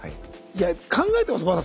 いや考えてます？